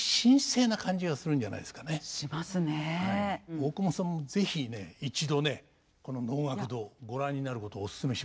大久保さんも是非一度ねこの能楽堂ご覧になることオススメしますよ。